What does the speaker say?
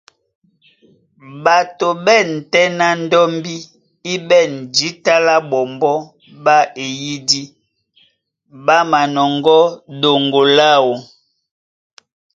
Ɓato ɓá ɛ̂n tɛ́ ná ndɔ́mbí í ɓɛ̂n jǐta lá ɓɔmbɔ́ ɓá eyìdí, ɓá manɔŋgɔ́ ɗoŋgo láō.